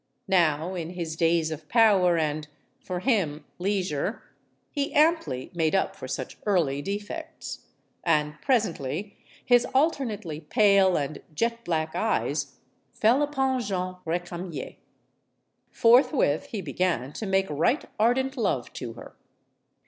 Now in his days of power and for him leisure, he amply made up for such early defects. And presently his alternate ly pale and jet black eyes fell upon Jeanne Recamier. Forthwith, he began to make right ardent love to her.